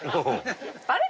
あれ？